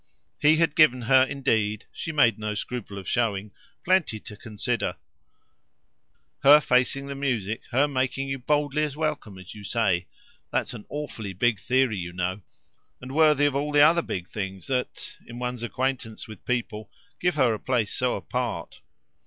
He had given her indeed, she made no scruple of showing, plenty to amuse herself with. "Her facing the music, her making you boldly as welcome as you say that's an awfully big theory, you know, and worthy of all the other big things that in one's acquaintance with people give her a place so apart."